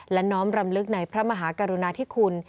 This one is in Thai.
และน้อมรำลึกในพระมหากรุณาธิคุณ